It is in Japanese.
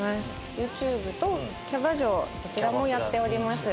ＹｏｕＴｕｂｅとキャバ嬢どちらもやっております。